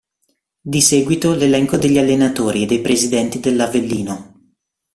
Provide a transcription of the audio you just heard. Di seguito l'elenco degli allenatori e dei presidenti dell'Avellino.